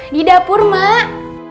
di dapur mak